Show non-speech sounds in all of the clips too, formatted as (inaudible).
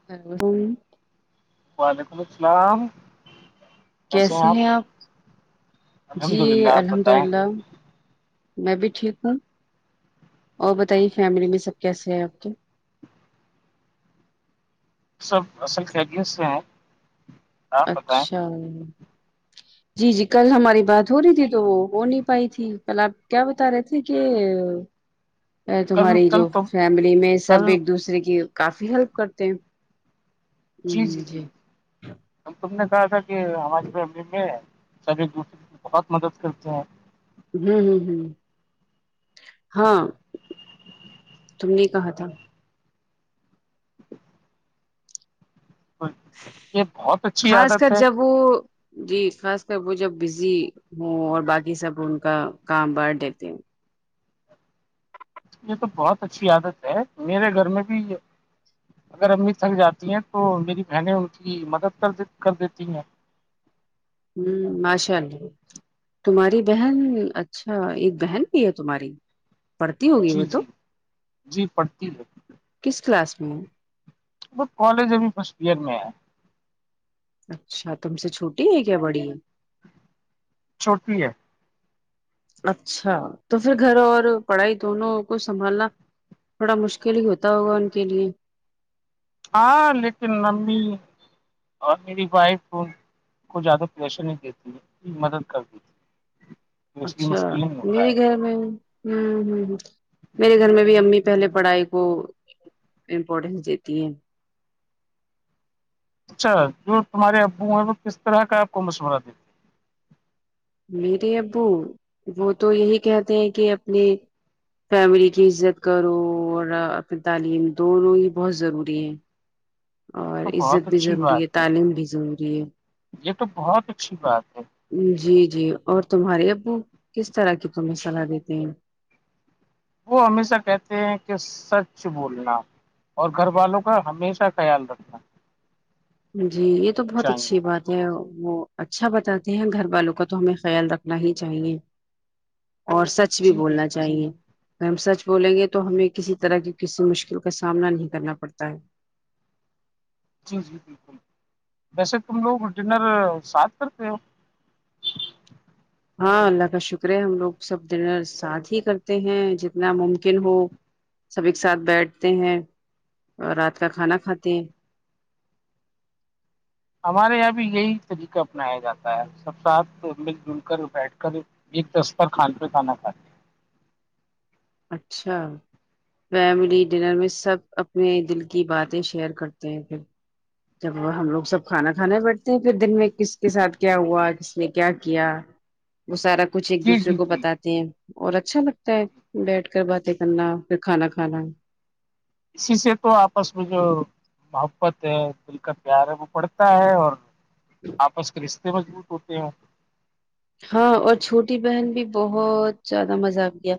ہ وعلیکم السلام کیسے ہیں آپ الحمد جی للہ آپ الحمد بتائیں للہ میں بھی ٹھیک ہوں اور بتائیے فیملی میں سب کیسے ہیں آپ کے سب اصل کییدیت سے ہیں اچھا ہ جی جی کل ہماری بات ہو رہی تھی تو وہ ہو نہیں پائی تھی کل آپ کیا بتا رہے تھے کہ کل تمہاری کل جو تم فیملی میں کل سب ایک دوسرے کی کافی ہیلپ کرتے ہیں جی جی جی تم نے کہا تھا کہ ہماری فیملی میں سب ایک دوسرے کی بہت مدد کرتے ہیں ہوں ہوں ہ ہاں تم نے کہا تھا تو یہ بہت اچھی خاص کر عادت ہے جب وہ جی خاص کر وہ جب بزی ہوں اور باقی سب ان کا کام بٹ دیتے ہیں یہ تو بہت اچھی عادت ہے میرے گھر میں بھی یہ اگر امی تھک جاتی ہیں تو میری بہنیں ان کی مدد کر کر دیتی ہیں ہوں مشاء تمہاری بہن اچھا ایک بہن بھی ہے تمہاری پڑھتی ہوگی جی وہ تو جی جی پڑھتی ہے کس کلاس میں ہوں ب کالج ابھی فرسٹ ایئر میں ہے اچھا تم سے چھوٹی ہے کیا بڑی ہے چھوٹنی ہے اچھا تو پھر گھر اور پڑھائی دونوں کو سنبھالنا تھوڑا مشکل ہی ہوتا ہوگا ان کے لیے ہاں لیکن امی اور میری وائف کو زیادہ پریشر نہیں دیتی مدد کر دی ت اچھا میرے گھر میں ہوں ہ ہ میرے گھر میں بھی امی پہلے پڑھائی کو امپورٹینس دیتی ہیں اچھا جو تمہارے ابو ہیں وہ کس طرح کا آپ کو مشورہ دے میرے ابو وہ تو یہی کہتے ہیں کہ اپنی فیملی کی عزت کرو اور پھر تعلیم دونوں ہی بہت ضروری ہیں اور تو عزت بہت بھی اچھی ضروری ہے بات تعلیم بھی ضروری ہے یہ تو بہت اچھی بات ہے جی جی اور تمہارے ابو کس طرح کی تمہیں صلاح دیتے ہیں وہ ہمیشہ کہتے ہیں کہ سچ بولنا اور گھر والوں کا ہمیشہ خیال رکھنا جی یہ تو بہت چاہیے اچھی بات وہ اچھا بتاتے ہیں گھر والوں کا تو ہمیں خیال رکھنا ہی چاہیے اور سچ بھی جی بولنا بالکل چاہیے ہم سچ بولیں گے تو ہمیں کسی طرح کی کسی مشکل کا سامنا نہیں کرنا پڑتا ہے جی جی بالکل ویسے تم لوگ ڈنر ساتھ کرتے ہو ہاں اللہ کا شکر ہے ہم لوگ سب دنر ساتھ ہی کرتے ہیں جتنا ممکن ہو سب ایک ساتھ بیٹھتے ہیں اور رات کا کھانا کھاتے ہیں ہمارے یہاں بھی یہی طریقہ اپنایا جاتا ہے سب ساتھ مل جل کر بیٹھ کر ایک دستر کھان پہ کھانا کھ اچھا فیملی ڈنر میں سب اپنے دل کی باتیں شیئر کرتے ہیں پھر جب ہم لوگ سب کھانا کھانے بیٹھتے ہیں پھر دن میں کس کے ساتھ کیا ہوا کس نے کیا کیا وہ سارا کچھ ایک جی دوسرے جی کو جی بتاتے ہیں اور اچھا لگتا ہے بیٹھ کر باتیں کرنا پھر کھانا کھانا اسی سے تو آپس میں جو محبت ہے دل کا پیار ہے وہ پڑتا ہے اور آپس کرشتے مضبوط ہوتے ہیں ہاں اور چھوٹی بہن بھی بہت زیادہ مذاق گیا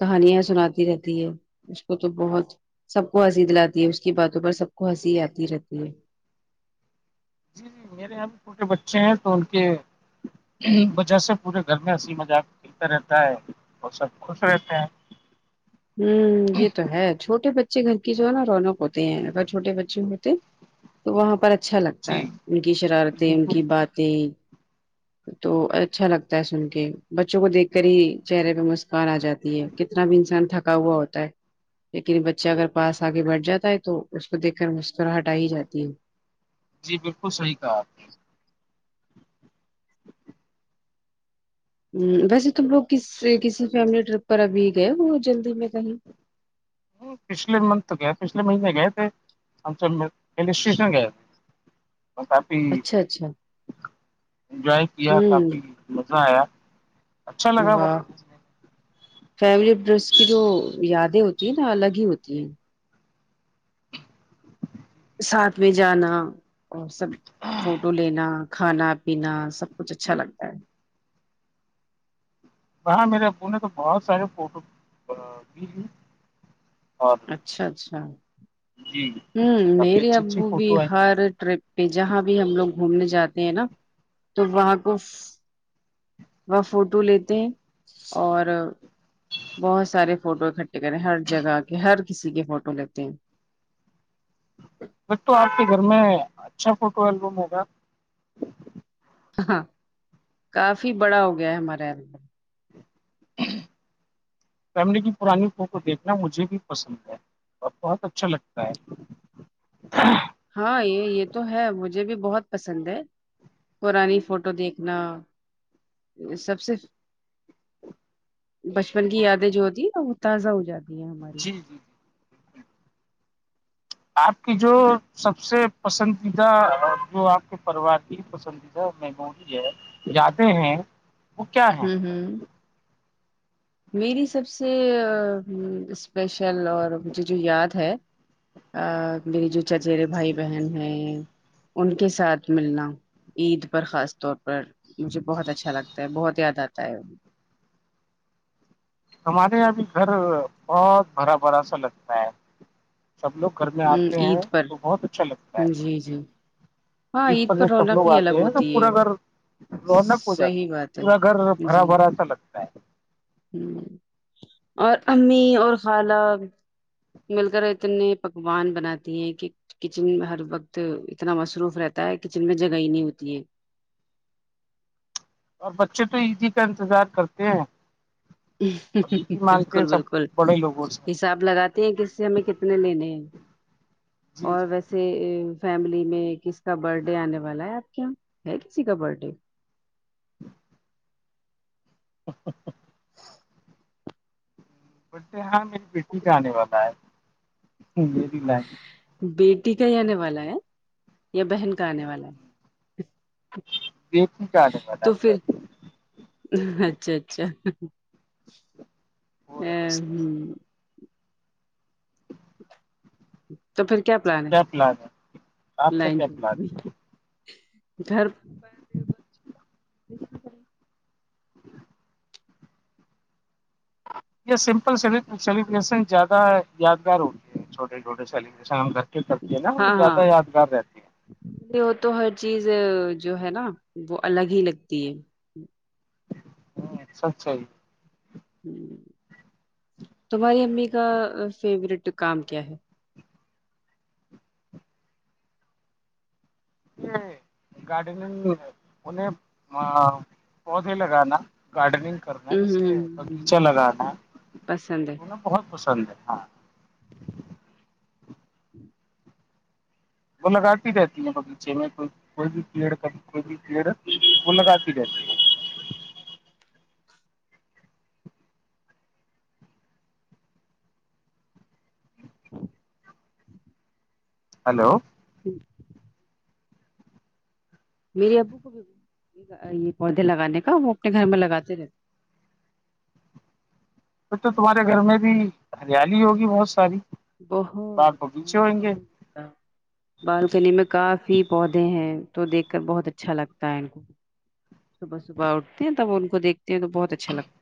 کہانیاں سناتی رہتی ہے اس کو تو بہت سب کو ہنسی د لاتی ہے اس کی باتوں پر سب کو ہنسی آتی رہتی ہے جی جی میرے یہاں چھوٹے بچے ہیں تو ان کے وجہ سے پورے گھر میں ہنسی مذاق کلتا رہتا ہے اور سب خوش رہتے ہیں ہوں یہ تو ہے چھوٹے بچے گھر کی جو ہے نا رونق ہوتے ہیں اگر چھوٹے بچے ہوتے تو وہاں پر اچھا لگتا جی ہے ان کی شرارتیں ان بالکل کی باتیں تو اچھا لگتا ہے سن کے بچوں کو دیکھ کر ہی چہرے پہ مسکان آ جاتی ہے کتنا بھی انسان تھک پا ہوا ہوتا ہے لیکن بچہ اگر پاس آگے بٹھ جاتا ہے تو اس کو دیکھ کر مسکراہٹائی ہی جاتی ہے جی بالکل صحیح کہا آپ نے ہ ویسے تم لوگ کس کسی فیملی ٹرپ پر ابھی گئے ہو جلدی میں کہیں پچھے منتھ گیا پچھے مہنے گیا تھ ہم ری اسٹیشن گیا کافی اچھا اچھا انجوائے کیا ہوں کافی مزا آیا اچھا لگا واہ وہاں فیورٹ ڈریس کی جو یادیں ہوتی ہیں نا الگ ہی ہوتی ہیں ساتھ میں جانا اور سب فوٹو لینا کھانا پینا سب کچھ اچھا لگتا ہے ہاں میرے ابو نے تو بہت سارے فوٹو بھی لیے اور اچھا اچھا ہوں جی کافی میرے اچھی اچھی ابو بھی فوٹو آئی ہر ٹرپ پہ جہاں بھی ہم لوگ گھومنے جاتے ہیں نا تو وہاں کو وہ فوٹو لیتے ہیں اور بہت سارے فوٹو اکٹھے کریں ہر جگہ کے ہر کسی کے فوٹو لیتے ہیں ب تو آپ کے گھر میں اچھا فوٹو البم ہے گا ہاں کافی بڑا ہو گیا ہے ہمارے اندر فیملی کی پرانی فوٹو دیکھنا مجھے بھی پسند ہے اور بہت اچھا لگتا ہے ہاں یہ یہ تو ہے مجھے بھی بہت پسند ہے قانی فوٹو دیکھنا سب سے (unintelligible) بچپن کی یادیں جو ہوتی ہیں نا وہ تازہ ہو جاتی ہیں ہماری جی جی جی آپ کی جو سب سے پسندیدہ جو آپ کے پروارتی ندیدہ میں می ہے جاتے ہیں (unintelligible) کیا ہیں ہوں ہوں میری سب سے اسپیشل اور مجھے جو یاد ہے ا میری جو چچیرے بھائی بہن ہیں ان کے ساتھ ملنا عید پر خاص طور مجھے بہت اچھا لگتا ہے بہت یاد آتا ہے ہمارے یہاں بھی گھر بہت بھرا بھرا سا لگتا ہے سب لوگ گھرنے ہ آتے ہیں عید پر تو بہت اچھا لگتا ہے جی جی ہاں جس پر عید جب سب رونق لوگ ہی الگ آتے ہیں تو ہوتی پورا گھر ہے (unintelligible) لونک ہو جاتی صحیح بات ہے پورا گھر بھرا جی بھرا سا لگتا ہے (unintelligible) ہ اور امی اور خالہ مل کر اتنے پکوان بناتی ہیں کہ کچن میں ہر وقت اتنا مصروف رہتا ہے کچن میں جگہ نہیں ہوتی ہے اور بچے تو عیدی کا انتظار کرتے ہیں اور عیدی مانگتے بالکل ہیں سب بالکل بڑے لوگوں سے اب لگاتے ہیں کہ اس سے ہمیں کتنے لینے ہیں جی اور جی ویسے (unintelligible) سے فیملی میں کس کا برتھ ڈے آنے والا ہے آپ کے یہاں ہے کسی کا برتھ ڈے ہ (unintelligible) بے ہاں میری بیٹی کا آنے والا ہے میری لائ (unintelligible) بیٹی کا ہی آنے والا ہے یا بہن کا آنے والا ہے بیٹی کا آنے والا تو پھر ہے اچھا اچھا فور ا اگست ہوں (unintelligible) تو پھر کیا پلان ہے آپ کا نہیں کیا پلان ہے ج (unintelligible) گھر بھر (unintelligible) یہ سمپل سلیبریشن زیادہ یادگار ہوتی ہے چھوٹے چھوٹے سیبریشندر (unintelligible) کرتی ہے نا وہ زیادہ یادگار رہتی ہے ے وہ تو ہر چیز جو ہے نا وہ الگ ہی لگتی ہے ہم، ہوںچ سچھای (unintelligible) ہ تمہاری امی کا فیوروریٹ کام کیا ہے یہ گارڈنگ انہیں پودے لگانا (unintelligible) گارڈننگ کرنا ہے ہ جیسے ہ باغیچہ لگانا ہے بہت پسند ہے ہاں (unintelligible) وہ لگاتی رہتی ہے بغیچے میں کو کوئی بھی پیڑ کبھی کوئی بھی پیڑ وہ لگاتی رہتی ہے ہاں (unintelligible) ہلو جی (unintelligible) میری ابو کو بھی یہ پودے لگانے کا وہ اپنے گھر میں لگاتے رہتے پھر تو تمہارے گھر میں بھی ہریالی ہوگی بہت ساری باغ بہتچ بغیچے ہچ ہوئیں گے (unintelligible) بالکنی میں کافی پودے ہیں تو دیکھ کر بہت اچھا لگتا ہے ان کو صبح صبح اٹھتے ہیں تب ان کویکھتے ہیں تو بہت اچھا لتا ہے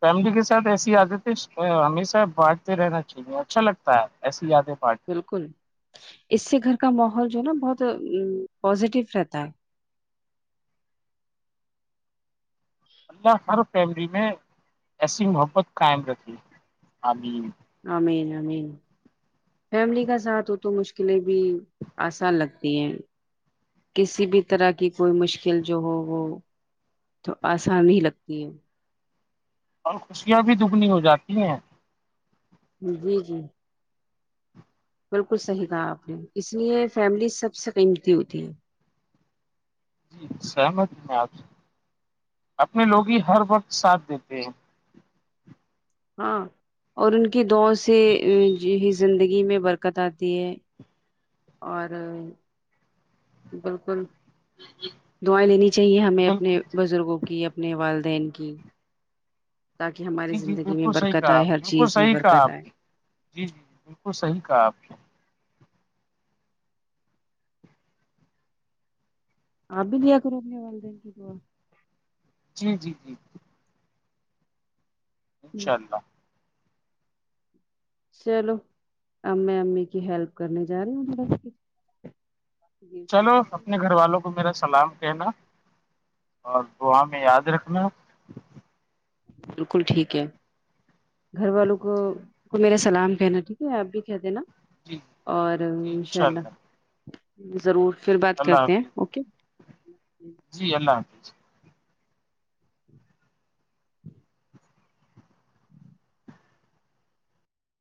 فیملی کے ساتھ ایسسی ہی آتے تھے ہمیشہ بانٹتے رہنااہیے اچھا لگتا ہے ایسی یادیں پارٹی ہے۔ بالکل اس سے گھر کا ماحول جو ہے نا بہت پازیٹیو رہتا ہے ہر فیملی میں ایسی محبت قائم رخے آمین آمین آمین فیملی کا ساتھ ہو تو مشکلیں بھی آسان لگتی ہیں کسی بھی طرح کی کوئی مشکل جو ہو وہ تو آسان ہی لگتی ہے اور خوشیاں بھی دگنی ہو جاتی ہیں جی جی بالکل صحیح کہا آپ نے اس لیے فیملی سب سے قیمتی ہوتی ہے جی سہمت آج اپنے لوگ ہی ہر وقت ساتھ دیتے ہیں (unintelligible) ہاں اور ان کی دو سے (unintelligible) زندگی میں برکت آتی ہے اور بالکل دائیں لینی چاہیے ہمیں اپنے بالکل بزرگوں کی اپنے والدین کی تاکہ ہماری جی جی زندگی میں بالکل صحیح برکت کہا آئے ہر بالکل چیز میں صحیح کہا برکت آپ آئے نے جی جی بالکل صحیح کہا آپ نے آپ بھی دیا کر روکنے والے دین کیا جی جی جی ہوں، انشاء اللہ چلو امیں امی کی ہیلپ کرنے جا رہی تھوڑا چلو اپنے گھر والوں کو میرا سلام کہنا اور دعا میں یاد رکھنا بالکل ٹھیک ہے گھر والوں کو کو میرا سلام کہنا ٹھیک ہے آپ بھی کہتے نا جی اور جی ان شاء انشاء اللہ اللہ ضرور پھر بات اللہ کرتے ہیں حافظ اوکے جی آللہ حافظ